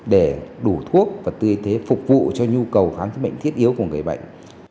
để đủ thuốc và tư thế phục vụ cho nhu cầu kháng chữa bệnh thiết yếu của người bệnh